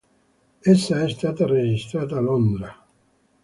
Essa è stata registrata a Londra.